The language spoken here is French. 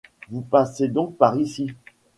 Vous passez donc par ici ?